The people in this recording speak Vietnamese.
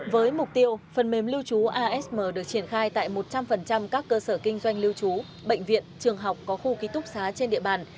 với mục tiêu phần mềm lưu trú asm được triển khai tại một trăm linh các cơ sở kinh doanh lưu trú bệnh viện trường học có khu ký túc xá trên địa bàn